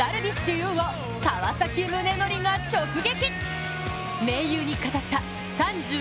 有を川崎宗則が直撃。